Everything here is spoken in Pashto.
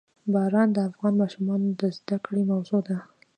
باران د افغان ماشومانو د زده کړې موضوع ده.